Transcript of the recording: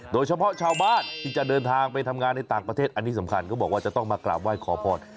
โดยเฉพาะชาวบ้านที่จะเดินทางไปทำงานในต่างประเทศอันนี้สำคัญเขาบอกว่าจะต้องมากราบไหว้ขอพร